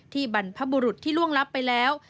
บรรพบุรุษที่ล่วงลับไปแล้ว